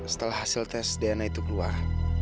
setelah hasil tes dna itu keluar